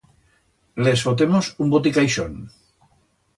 Les fotemos un boticaixón.